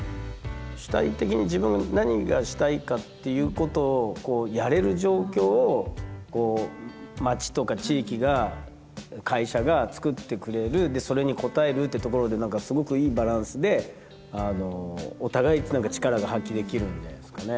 主体的に自分が何がしたいかっていうことをやれる状況を街とか地域が会社がつくってくれるでそれに応えるってところで何かすごくいいバランスでお互い力が発揮できるんじゃないですかね。